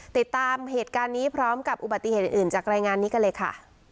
ติดตามเหตุการณ์นี้พร้อมกับอุบัติเหตุอื่นจากรายงานนี้กันเลยค่ะ